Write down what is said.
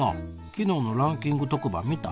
昨日のランキング特番見た？